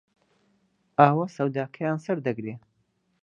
ئاوا سەوداکەیان سەردەگرێ